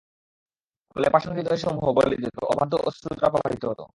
ফলে পাষাণ হৃদয়সমূহ গলে যেত, অবাধ্য অশ্রুধারা প্রবাহিত হত।